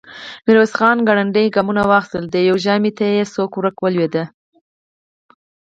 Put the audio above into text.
ميرويس خان ګړندي ګامونه واخيستل، د يوه ژامې ته يې سوک ورکړ، ولوېد.